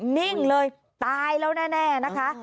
นิ่งเลยตายแล้วแน่นะคะ